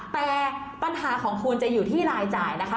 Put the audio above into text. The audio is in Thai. แต่ปัญหาของคุณจะอยู่ที่รายจ่ายนะคะ